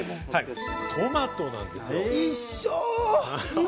トマトなんです。一緒！